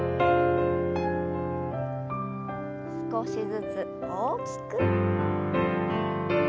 少しずつ大きく。